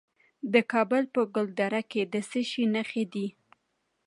د کابل په ګلدره کې د څه شي نښې دي؟